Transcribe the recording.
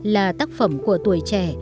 là tác phẩm của tuổi trẻ